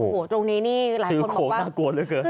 โอ้โหชื่อโค้งน่ากลัวเลยค่ะ